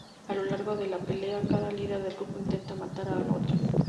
A lo largo de la pelea, cada líder de grupo intenta matar al otro.